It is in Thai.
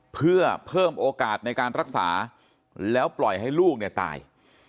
เพื่อเพิ่มโอกาสในการรักษาแล้วปล่อยให้ลูกเนี่ยตาย